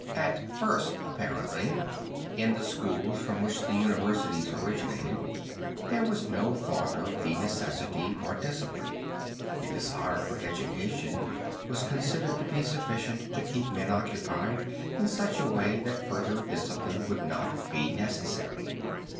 At first apparently, in the schools from which the universities originated there was no thought of the necessity for discipline. The desire for education was considered to be sufficient to keep men occupied in such a way that further discipline would not be necessary.